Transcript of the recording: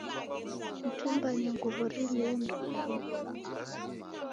Mtumbanye nguw'o rilue mrifuo